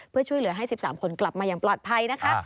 เพื่อช่วยเหลือให้๑๓คนกลับมาอย่างปลอดภัยนะคะ